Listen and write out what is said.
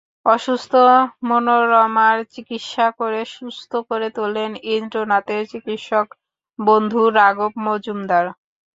অসুস্থ মনোরমার চিকিৎসা করে সুস্থ করে তোলেন ইন্দ্রনাথের চিকিৎসক বন্ধু রাঘব মজুমদার।